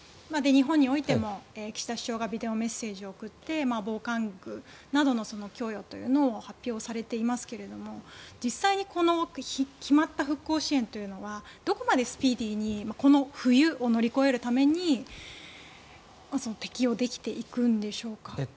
日本においても岸田首相がビデオメッセージを送って防寒具などの供与というのを発表されていますが実際に決まった復興支援というのはどこまでスピーディーにこの冬を乗り越えるために適用できていくんでしょうか。